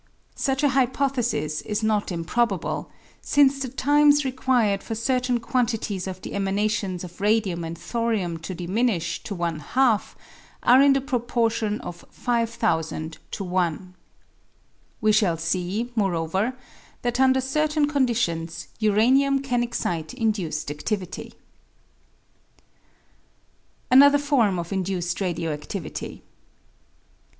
Such a hypothesis is not improbable, since the times required for certain quantities of the emanations of radium and thorium to diminish to one half are in the proportion of 5000 to i. We shall see, moreover, that, under certain conditions, uranium can excite induced adivity. Another Form of Induced Radio activity